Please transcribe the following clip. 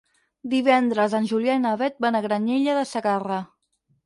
Divendres en Julià i na Beth van a Granyena de Segarra.